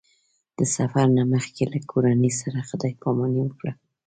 د سفر نه مخکې له کورنۍ سره خدای پاماني وکړه.